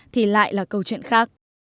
thì lại là câu chuyện khác